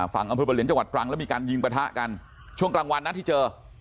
ฝั่งอำเภอประเหลียนจังหวัดตรังแล้วมีการยิงประทะกันช่วงกลางวันนะที่เจอ